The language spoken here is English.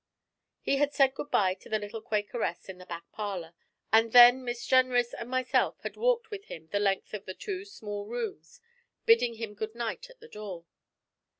He had said good bye to the little Quakeress in the back parlour, and then Miss Jenrys and myself had walked with him the length of the two small rooms, bidding him goodnight at the door.